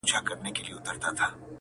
د خبرونو وياند يې.